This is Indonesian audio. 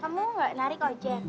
kamu nggak narik ojek